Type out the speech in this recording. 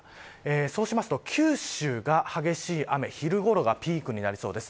午前９時から九州が激しい雨昼ごろがピークになりそうです。